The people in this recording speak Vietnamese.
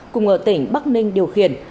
cùng ở tỉnh bắc ninh điều khiển